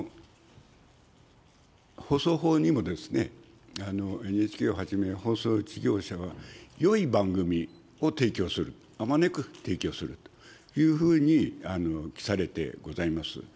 放送法にも、ＮＨＫをはじめ放送事業者は、よい番組を提供する、あまねく提供するというふうに記されてございます。